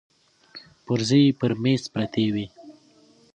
پرزې يې پر مېز پرتې وې.